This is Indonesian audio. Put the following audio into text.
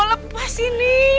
apa sih ini